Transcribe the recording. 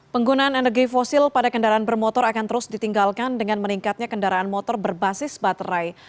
penggunaan energi fosil pada kendaraan bermotor akan terus ditinggalkan dengan meningkatnya kendaraan motor berbasis baterai